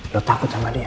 lo takut sama dia